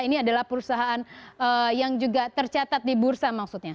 ini adalah perusahaan yang juga tercatat di bursa maksudnya